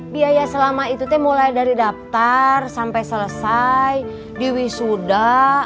biaya selama itu mulai dari daftar sampai selesai diwisuda